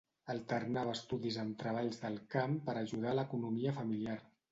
Alternava estudis amb treballs del camp per ajudar l'economia familiar.